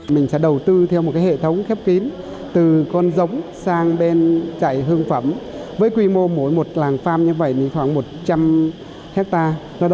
mình sẽ đầu tư theo một hệ thống khép kín từ con giống sang bên chải hương phẩm với quy mô mỗi một làng pham như vậy khoảng một trăm linh hectare